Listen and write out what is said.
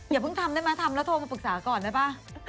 อย่าเพิ่งทำได้ไหมทำแล้วโทรมาปรึกษาก่อนได้ป่ะ